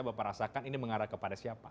bapak rasakan ini mengarah kepada siapa